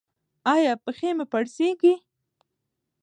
ایا پښې مو پړسیږي؟